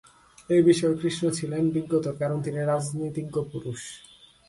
এ-বিষয়ে কৃষ্ণ ছিলেন বিজ্ঞতর, কারণ, তিনি রাজনীতিজ্ঞ পুরুষ।